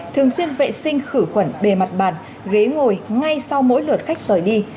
thường xuyên vệ sinh khử khuẩn bề mặt bàn ghế ngồi ngay sau mỗi lượt khách rời đi